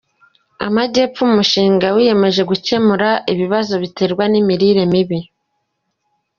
Amajyepfo Umushinga wiyemeje gukemura ibibazo biterwa n’imirire mibi